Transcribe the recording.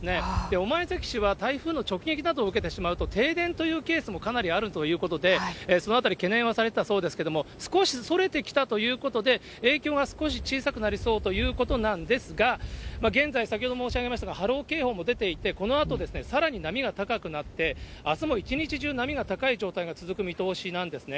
御前崎市は台風の直撃などを受けてしまうと、停電というケースもかなりあるということで、そのあたり、懸念はされてたそうですけれども、少しそれてきたということで、影響が少し小さくなりそうということなんですが、現在、先ほど申し上げましたが波浪警報も出ていて、このあと、さらに波が高くなって、あすも一日中波が高い状態が続く見通しなんですね。